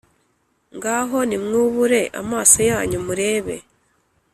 Ngaho nimwubure amaso yanyu murebe